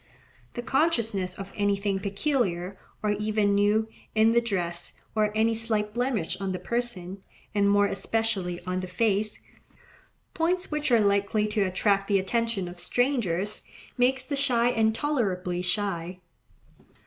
The consciousness of anything peculiar, or even new, in the dress, or any slight blemish on the person, and more especially, on the face—points which are likely to attract the attention of strangers—makes the shy intolerably shy.